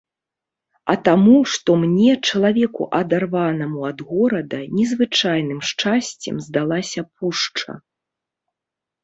А таму, што мне, чалавеку, адарванаму ад горада, незвычайным шчасцем здалася пушча.